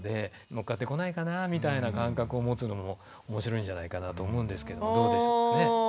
乗っかってこないかなみたいな感覚を持つのもおもしろいんじゃないかなと思うんですけどどうでしょうかね。